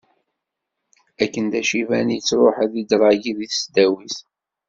Akken d aciban, yettruḥ ad idṛagi deg tesdawit.